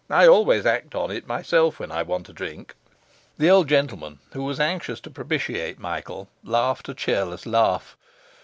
'I always act on it myself when I want a drink.' The old gentleman, who was anxious to propitiate Michael, laughed a cheerless laugh.